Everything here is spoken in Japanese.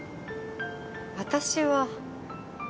私は。